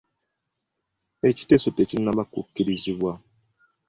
Ekiteeso tekinnaba kukkirizibwa.